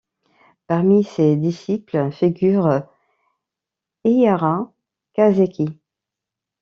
Parmi ses disciples figure Aihara Kaseki.